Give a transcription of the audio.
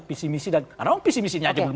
visi misi karena orang visi misinya aja belum